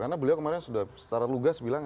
karena beliau kemarin sudah secara lugas bilang